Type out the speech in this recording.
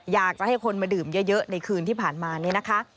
อยากจะให้คนมาดื่มเยอะในคืนที่ผ่านมาเนี่ยนะคะ